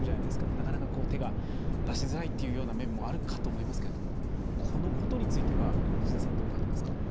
なかなか手が出しづらいっていうような面もあるかと思いますけれどもこのことについては藤田さん、どう感じますか？